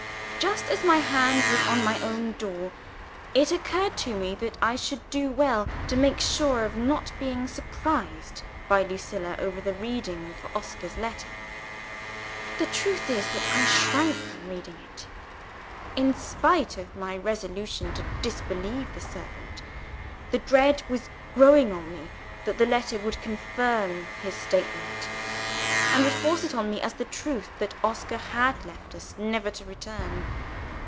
Just as my hand was on my own door, it occurred to me that I should do well to make sure of not being surprised by Lucilla over the reading of Oscar's letter. The truth is that I shrank from reading it. In spite of my resolution to disbelieve the servant, the dread was now growing on me that the letter would confirm his statement, and would force it on me as the truth that Oscar had left us never to return.